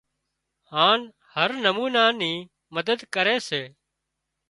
هانَ هر نمونا نِي مدد ڪري سي